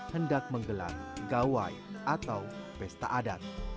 hendak menggelar gawai atau pesta adat